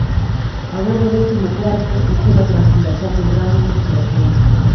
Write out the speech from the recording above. Agora é décimo cuarto, en zona tranquila xa sen grandes aspiracións.